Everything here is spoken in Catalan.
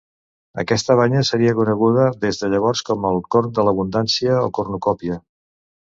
Aquesta banya seria coneguda des de llavors com el corn de l'abundància o cornucòpia.